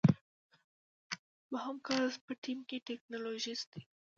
دوهم کس په ټیم کې ټیکنالوژیست دی.